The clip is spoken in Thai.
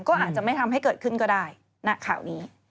ก็อาจจะไม่ทำให้เกิดขึ้นก็ได้ณข่าวนี้